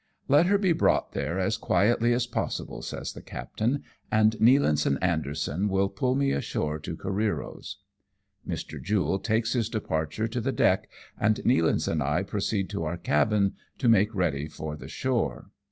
Let her be brought there as quietly as possible," says the captain, "and Nealance and Anderson will pull me ashore to Careero's." Mr. Jule takes his departure to the deck, and Nealance and I proceed to our cabin to make ready for the shore.